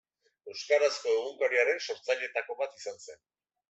Euskarazko egunkariaren sortzaileetako bat izan zen.